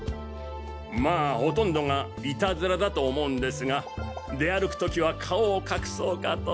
まぁほとんどがイタズラだと思うんですが出歩く時は顔を隠そうかと。